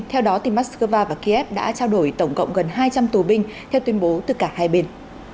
theo đó moscow và kiev đã trao đổi tổng cộng gần hai trăm linh tù binh theo tuyên bố từ cả hai bên